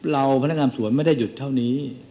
พนักงานสวนไม่ได้หยุดเท่านี้